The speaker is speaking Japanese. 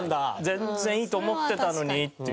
全然いいと思ってたのにっていう。